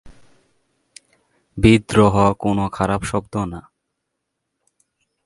বিদ্রোহ কোনো খারাপ শব্দ না।